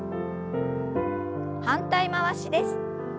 反対回しです。